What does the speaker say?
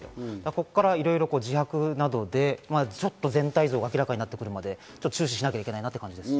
ここからいろいろ自白などでちょっと全体像が明らかになると思うので、注視しなければいけないなと思います。